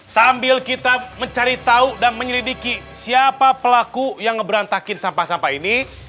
sambil kita mencari tahu dan menyelidiki siapa pelaku yang berantakin sampah sampah ini